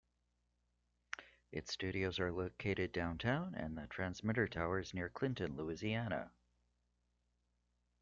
Its studios are located downtown and the transmitter tower is near Clinton, Louisiana.